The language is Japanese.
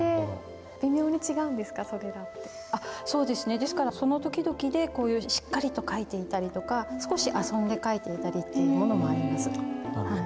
ですからその時々でこういうしっかりと書いていたりとか少し遊んで書いていたりっていうものもあります。